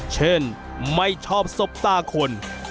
เช่นไม่ชอบสบตาคน